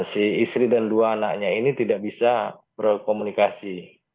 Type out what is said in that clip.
si istri dan dua anaknya ini tidak bisa berkomunikasi